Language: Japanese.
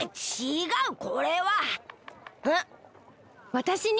わたしに？